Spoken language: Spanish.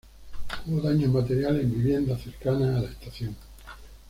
Hubo daños materiales en viviendas cercanas a la estación.